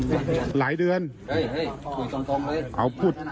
เศษหน้าสุดเมื่อไหนเอาดีหลายเดือน